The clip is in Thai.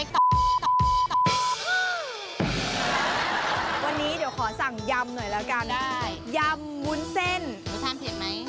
คุณสามารถมีเคียวไหม